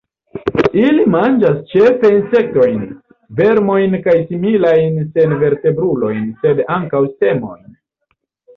Ili manĝas ĉefe insektojn, vermojn kaj similajn senvertebrulojn, sed ankaŭ semojn.